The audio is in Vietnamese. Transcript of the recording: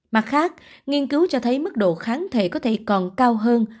mặt khác nghiên cứu cho thấy mức độ kháng thể có thể còn cao hơn